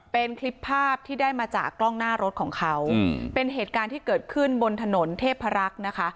เป็นคลิปภาพที่ได้มาจากกล้องหน้ารถของเขาเป็นเหตุการณ์ที่เกิดขึ้นบนถนนเทพรักษ์นะคะ